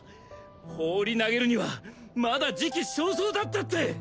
放り投げるにはまだ時期尚早だったって！